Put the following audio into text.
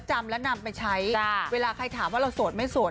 จำแล้วนำไปใช้เวลาใครถามว่าเราโสดไม่โสด